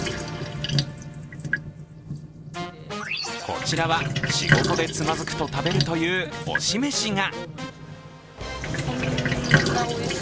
こちらは仕事でつまずくと食べるという推しメシが。